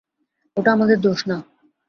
ওটা আমাদের দোষ না।